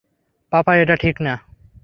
পাপা এটা ঠিক না।